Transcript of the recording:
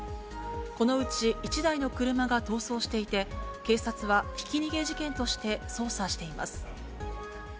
このうち１台の車が逃走していて、警察はひき逃げ事件として捜査しています。